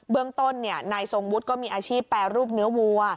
เรื่องต้นนายทรงวุฒิก็มีอาชีพแปรรูปเนื้อวัว